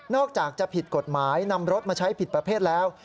อกจากจะผิดกฎหมายนำรถมาใช้ผิดประเภทแล้ว